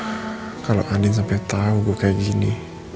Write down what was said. aduh kalau adin sampai tahu gua kayak gini